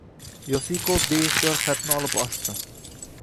Yosiko beixtiyor xatni olib ochdi